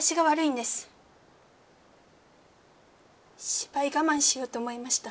芝居我慢しようと思いました。